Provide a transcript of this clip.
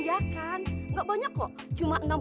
yang bangun nih yang